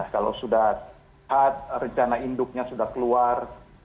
kalau sudah hat rencana induknya sudah keluar